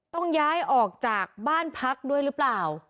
ต้องย้ายออกจากบ้านพักด้วยหรือเปล่า